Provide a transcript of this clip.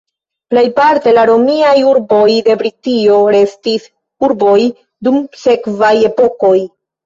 Plejparte la romiaj urboj de Britio restis urboj dum sekvaj epokoj.